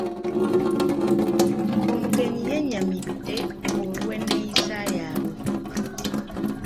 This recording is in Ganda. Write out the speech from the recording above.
Omugenyi yenyamiddeolw'enneeyisa yaabwe.